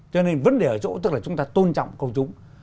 cho nên vấn đề ở chỗ tức là chúng ta tôn trọng công chúng